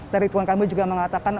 tadi tuan kamil juga mengatakan